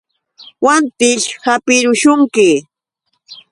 Wantićh hapirushunki.